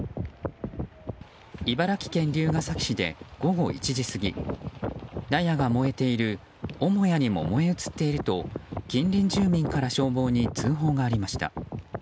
茨城県龍ケ崎市で午後１時過ぎ納屋が燃えている母屋に燃え移っていると近隣住民から消防に通報がありました。